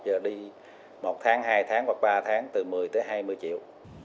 giờ đi một tháng hai tháng hoặc ba tháng từ một mươi tới hai mươi triệu